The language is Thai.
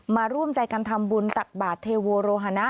มาร่วมใจกันทำบุญตักบาทเทโวโรฮนะ